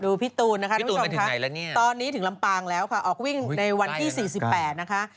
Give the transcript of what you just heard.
พี่ตูนนะคะคุณผู้ชมค่ะตอนนี้ถึงลำปางแล้วค่ะออกวิ่งในวันที่๔๘นะคะ